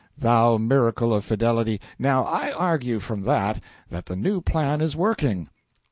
Thou miracle of fidelity! Now I argue from that, that the new plan is working.